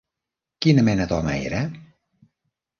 Quina mena d'home era?